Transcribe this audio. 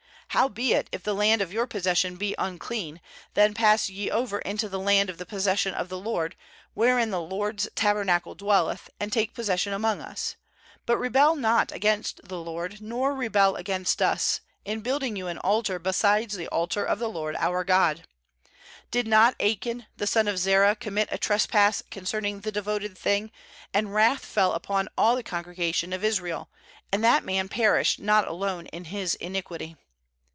19Howbeit, if the land of your possession be unclean', then pass ^ ye over unto the land of the possession of the LORD, wherein the LORD'S tab ernacle dwelleth, and take possession among us; but rebel not against the LORD, nor rebel against us, in build ing you an altar besides the altar of the LORD our God. 20Did not Achan the son of Zerah commit a trespass concerning the devoted thing, and wrath fell upon all the congregation of Israel? and that man perished not alone in his iniquity.'